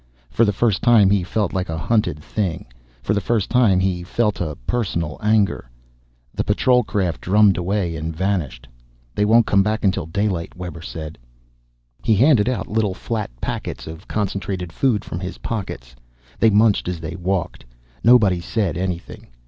For the first time he felt like a hunted thing. For the first time he felt a personal anger. The patrol craft drummed away and vanished. "They won't come back until daylight," Webber said. He handed out little flat packets of concentrated food from his pockets. They munched as they walked. Nobody said anything.